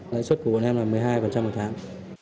lãi suất của bọn em là một mươi hai một tháng